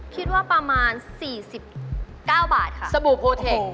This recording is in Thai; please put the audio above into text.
คิดว่าประมาณ๔๙บาทค่ะ